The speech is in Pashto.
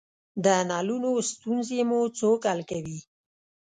د نلونو ستونزې مو څوک حل کوی؟